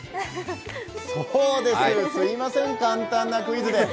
そうです、すみません、簡単なクイズで。